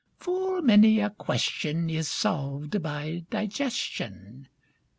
Full many a question is solved by digestion.